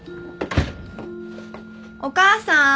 お母さん？